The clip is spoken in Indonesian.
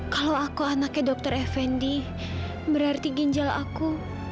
kalau aku anaknya dr effendi berarti ginjal aku